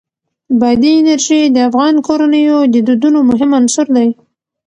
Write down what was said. بادي انرژي د افغان کورنیو د دودونو مهم عنصر دی.